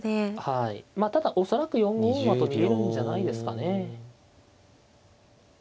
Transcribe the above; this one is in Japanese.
まあただ恐らく４五馬と逃げるんじゃないですかね。